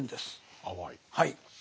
はい。